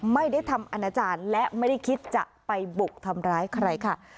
ไม่ได้ทำอนาจารย์และไม่ได้คิดจะไปบุกทำร้ายใครค่ะ